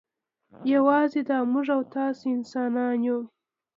یوازې دا موږ او تاسې انسانان یو.